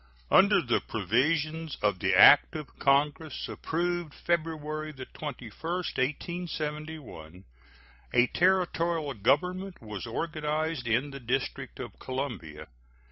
Under the provisions of the act of Congress approved February 21, 1871, a Territorial government was organized in the District of Columbia.